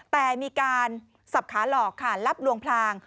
แต่มีการสับขาหลอกค่ะลับลวงพลาง